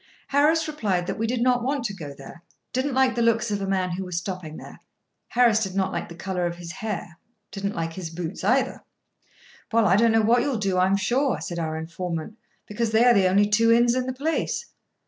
Harris replied that we did not want to go there—didn't like the looks of a man who was stopping there—Harris did not like the colour of his hair, didn't like his boots, either. "Well, I don't know what you'll do, I'm sure," said our informant; "because they are the only two inns in the place."